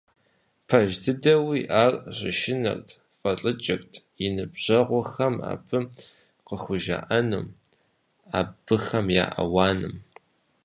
Пэж дыдэуи, ар щышынэрт, фӀэлӀыкӀырт и ныбжьэгъухэм, абы къыхужаӀэнум, абыхэм я ауаным.